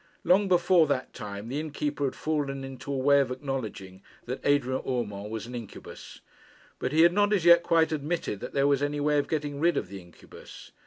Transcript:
Long before that time the innkeeper had fallen into a way of acknowledging that Adrian Urmand was an incubus; but he had not as yet quite admitted that there was any way of getting rid of the incubus.